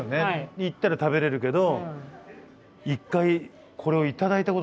に行ったら食べれるけど。